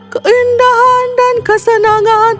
keindahan dan kesenangan